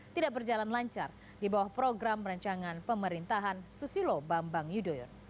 tidak berjalan lancar di bawah program rencangan pemerintahan susilo bambang yudhoyo